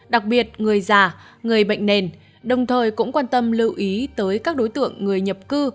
đặc biệt người già người bệnh nền đồng thời cũng quan tâm lưu ý tới các đối tượng người nhập cư